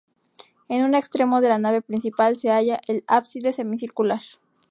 En un extremo de la nave principal se halla el ábside, semicircular.